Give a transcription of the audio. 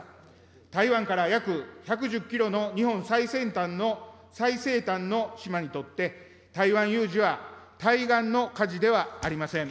台湾から約１１０キロの日本最先端の、最西端の島にとって、台湾有事は対岸の火事ではありません。